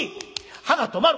刃が止まる！